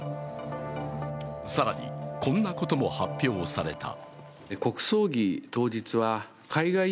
更に、こんなことも発表された。